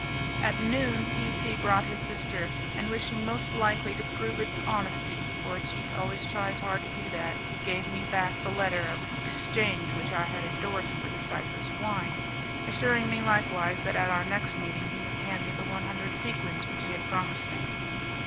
At noon P C brought his sister; and wishing most likely to prove his honesty for a cheat always tries hard to do that he gave me back the letter of exchange which I had endorsed for the Cyprus wine, assuring me likewise that at our next meeting he would hand me the one hundred sequins which he had promised me.